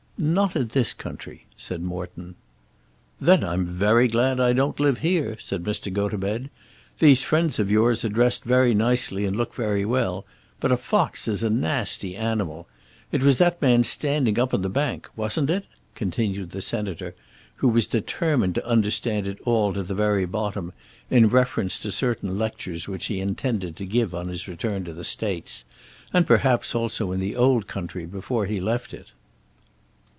"Not in this country," said Morton. "Then I'm very glad I don't live here," said Mr. Gotobed. "These friends of yours are dressed very nicely and look very well, but a fox is a nasty animal. It was that man standing up on the bank; wasn't it?" continued the Senator, who was determined to understand it all to the very bottom, in reference to certain lectures which he intended to give on his return to the States, and perhaps also in the old country before he left it.